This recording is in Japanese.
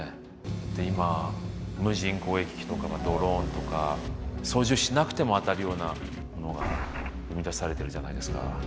で今無人攻撃機とかドローンとか操縦しなくても当たるようなものが生み出されてるじゃないですか。